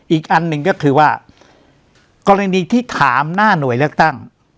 อีกอันหนึ่งก็คือว่ากรณีที่ถามหน้าหน่วยเลือกตั้ง